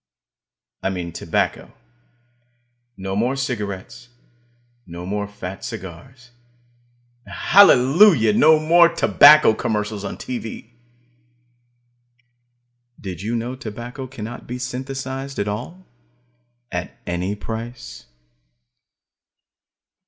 I mean tobacco. No more cigarettes; no more fat cigars and hallelujah! no more tobacco commercials on TV. Did you know, tobacco cannot be synthesized at all, at any price?